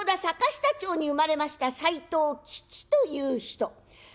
坂下町に生まれました斎藤きちという人。